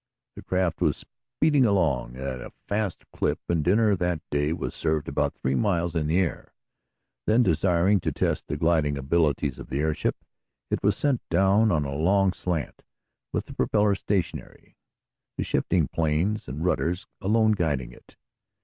The craft was speeding along at a fast clip, and dinner that day was served about three miles in the air. Then, desiring to test the gliding abilities of the airship, it was sent down on a long slant, with the propellers stationary, the shifting planes and rudders alone guiding it.